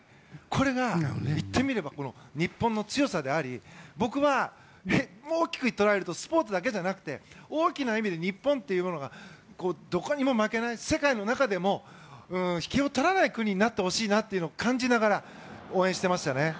これが言ってみれば日本の強さであり僕は大きく捉えるとスポーツだけじゃなくて大きな意味で日本というものがどこにも負けない世界の中でも引けを取らない国になってほしいなというのを感じながら応援していましたね。